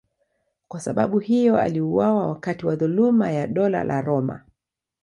Kwa sababu hiyo aliuawa wakati wa dhuluma ya Dola la Roma.